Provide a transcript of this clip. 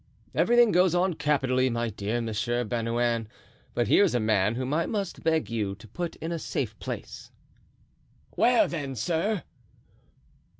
"Everything goes on capitally, my dear Monsieur Bernouin, but here is a man whom I must beg you to put in a safe place." "Where, then, sir?"